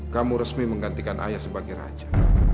kamu resmi menggantikan ayah sebagai raja